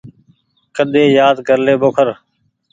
ڪيۮي يآد ڪر لي ٻوکر۔